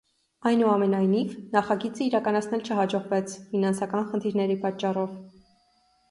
Այնուամենայնիվ, նախագիծը իրականացնել չհաջողվեց ֆինանսական խնդիրների պատճառով։